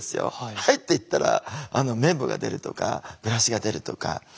「はい」って言ったら綿棒が出るとかブラシが出るとか。